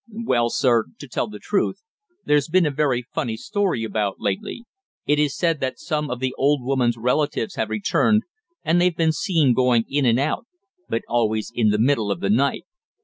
"Well, sir, to tell the truth, there's been a very funny story about lately. It is said that some of the old woman's relatives have returned, and they've been seen going in and out but always in the middle of the night."